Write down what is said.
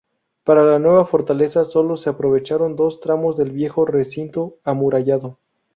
Para la nueva fortaleza solo se aprovecharon dos tramos del viejo recinto amurallado.